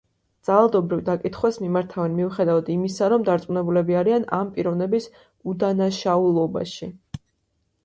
ძალადობრივ დაკითხვას მიმართავენ მიუხედავად იმისა, რომ დარწმუნებულები არიან ამ პიროვნების უდანაშაულობაში.